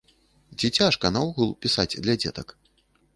Ці цяжка наогул пісаць для дзетак?